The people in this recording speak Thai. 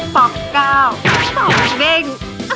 ปลอกเก้าปลอกเบง